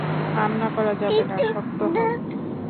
কান্না করা যাবে না, শক্ত হও।